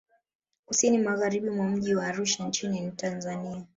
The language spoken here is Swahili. Kusini Magharibi mwa mji wa Arusha nchi ni Tanzania